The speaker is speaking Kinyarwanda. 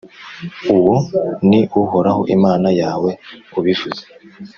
uwo ni uhoraho, imana yawe, ubivuze.